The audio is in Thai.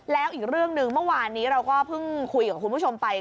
แล้วอีกเรื่องหนึ่งเมื่อวานนี้เราก็เพิ่งคุยกับคุณผู้ชมไป